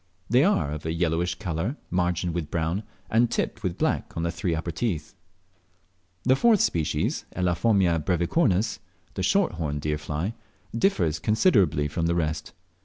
They are of a yellowish colour, margined with brown, and tipped with black on the three upper teeth. The fourth species (Elaphomia brevicornis, the short horned deer fly) differs considerably from the rest.